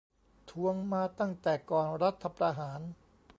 ทวงมาตั้งแต่ก่อนรัฐประหาร